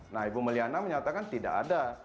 nah ibu may liana menyatakan tidak ada